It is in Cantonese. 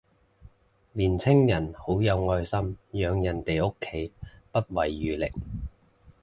年輕人好有愛心，養人哋屋企不遺餘力